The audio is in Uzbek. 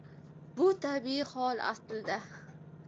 Bu tabiiy hol aslida